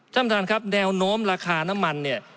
ท่านประธานครับแนวโน้มราคาน้ำมันเนี่ย